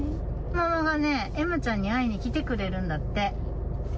ママがね、えまちゃんに会いにきてくれるんだって。